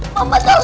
ntar aja ga mungkin